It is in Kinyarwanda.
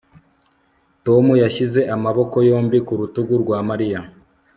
Tom yashyize amaboko yombi ku rutugu rwa Mariya